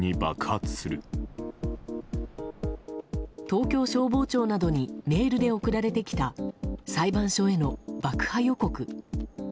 東京消防庁などにメールで送られてきた裁判所への爆破予告。